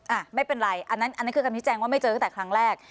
อ่ะไม่เป็นไรอันนั้นอันนั้นคือคำชี้แจงว่าไม่เจอตั้งแต่ครั้งแรก